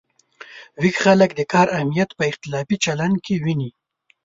ویښ خلک د کار اهمیت په اختلافي چلن کې ویني.